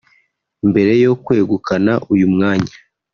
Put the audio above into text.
Mbere yo kwegukana uyu mwanya